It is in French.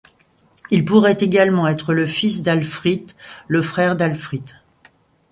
Il pourrait également être le fils d'Alhfrith, le frère d'Aldfrith.